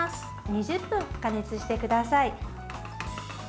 ２０分加熱してください。